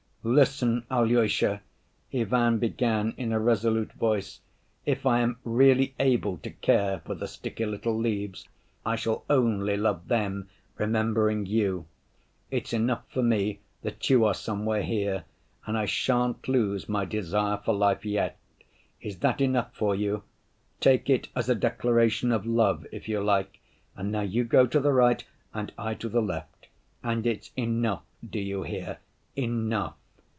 "Listen, Alyosha," Ivan began in a resolute voice, "if I am really able to care for the sticky little leaves I shall only love them, remembering you. It's enough for me that you are somewhere here, and I shan't lose my desire for life yet. Is that enough for you? Take it as a declaration of love if you like. And now you go to the right and I to the left. And it's enough, do you hear, enough.